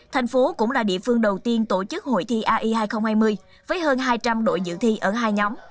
thành phố cũng là địa phương đầu tiên tổ chức hội thi ai hai nghìn hai mươi với hơn hai trăm linh đội dự thi ở hai nhóm